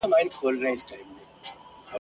نه خندا د چا پر شونډو باندي گرځي !.